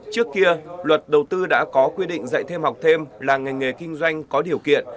trước kia luật đầu tư đã có quy định dạy thêm học thêm là ngành nghề kinh doanh có điều kiện